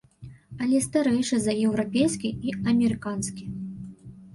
Але старэйшы за еўрапейскі і амерыканскі.